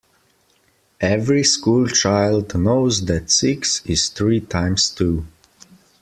Every school child knows that six is three times two